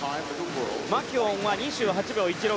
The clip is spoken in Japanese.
マキュオンは２８秒１６。